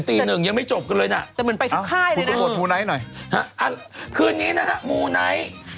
แต่เขาบอกว่าดารานักร้อง๗๐๘๐กว่าเท้นอยู่ทีนี้